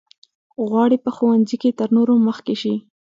غواړي په ښوونځي کې تر نورو مخکې شي.